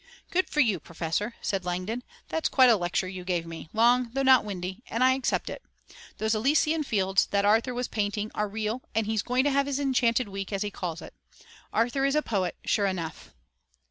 "Good for you, Professor," said Langdon. "That's quite a lecture you gave me, long though not windy, and I accept it. Those Elysian fields that Arthur was painting are real and he's going to have his enchanted week as he calls it. Arthur is a poet, sure enough."